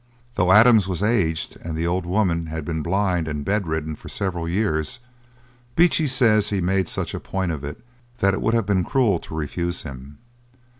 Though Adams was aged, and the old woman had been blind and bedridden for several years, Beechey says he made such a point of it, that it would have been cruel to refuse him.